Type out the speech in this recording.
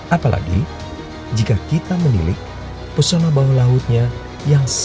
apalagi jika kita menilik pesona bawah lautnya yang sama